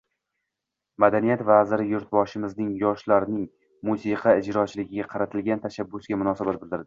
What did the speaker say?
Madaniyat vaziri yurtboshimizning yoshlarning musiqa ijrochiligiga qaratilgan tashabbusiga munosabat bildirdi